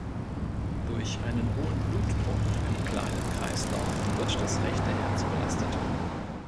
Durch einen hohen Blutdruck im kleinen Kreislauf wird das rechte Herz belastet.